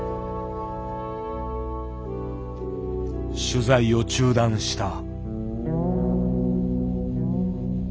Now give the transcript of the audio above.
取材を中断した。